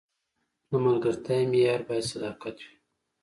د ملګرتیا معیار باید صداقت وي.